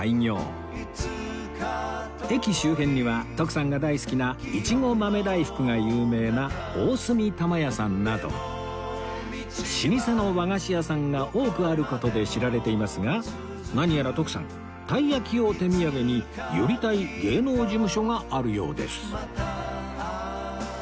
駅周辺には徳さんが大好きないちご豆大福が有名な大角玉屋さんなど老舗の和菓子屋さんが多くある事で知られていますが何やら徳さんたいやきを手土産に寄りたい芸能事務所があるようです